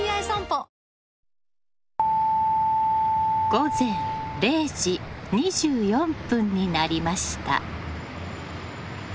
午前０時２４分になりました。